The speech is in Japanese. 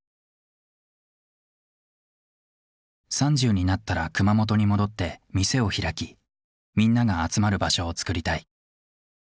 ３０になったら熊本に戻って店を開きみんなが集まる場所をつくりたい。